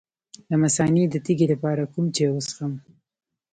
د مثانې د تیږې لپاره کوم چای وڅښم؟